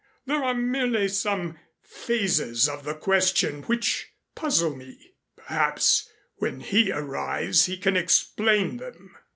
There are merely some phases of the question which puzzle me. Perhaps when he arrives he can explain them."